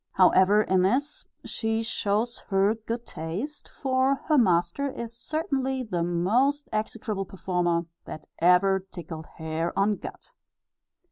However, in this she shows her good taste, for her master is certainly the most execrable performer, that ever tickled hair on gut.